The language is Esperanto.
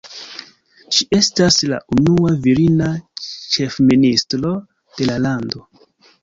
Ŝi estas la unua virina ĉefministro de la lando.